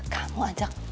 kamu ajak tante